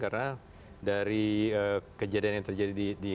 karena dari kejadian yang terjadi